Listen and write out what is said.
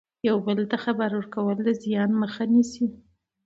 یو بل ته خبر ورکول د زیان مخه نیسي.